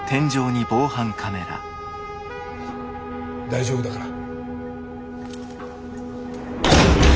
大丈夫だから。